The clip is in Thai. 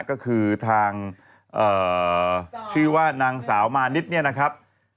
ก็คือทางชื่อว่านางสาวมานิดเนี่ยนะครับ